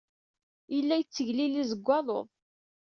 Yella yettegliliz deg waluḍ.